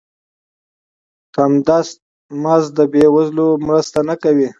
کم دست مزد بې وزلو مرسته نه کوي.